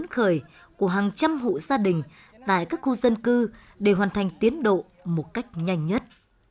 khởi của hàng trăm hộ gia đình tại các khu dân cư để hoàn thành tiến độ một cách nhanh nhất